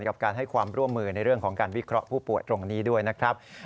กับการให้ความร่วมมือในเรื่องของการวิเคราะห์ผู้ป่วยตรงนี้ด้วยนะครับ